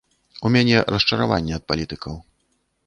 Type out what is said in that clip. У мяне расчараванне ад палітыкаў.